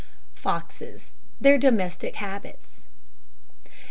FOXES: THEIR DOMESTIC HABITS.